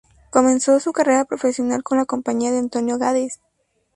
Comenzó su carrera profesional con la compañía de Antonio Gades.